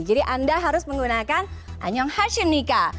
jadi anda harus menggunakan anyonghaseyumnika